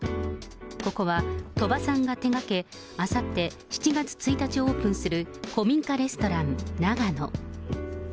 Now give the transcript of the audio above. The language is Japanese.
ここは鳥羽さんが手がけ、あさって７月１日オープンする古民家レストラン、ナガノ。